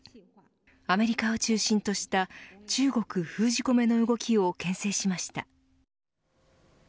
アメリカを中心とした中国封じ込めの動きをけん制しました。